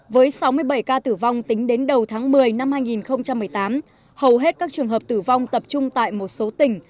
với sáu mươi bảy ca tử vong tính đến đầu tháng một mươi năm hai nghìn một mươi tám hầu hết các trường hợp tử vong tập trung tại một số tỉnh